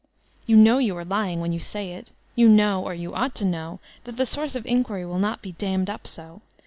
You know ]rou are lying when you say it. You know, or you ought to know, that the source of inquiry will not be dammed up so.